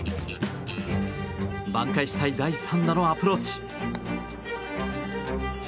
挽回したい第３打のアプローチ。